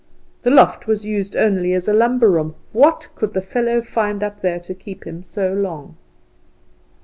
The loft was used only as a lumber room. What could the fellow find up there to keep him so long?